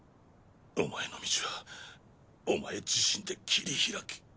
お前の道はお前自身で切り開け。